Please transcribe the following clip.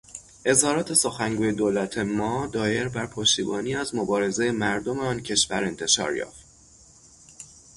اظهارات سخنگوی دولت ما دایر بر پشتیبانی از مبارزهٔ مردم آن کشور انتشار یافت.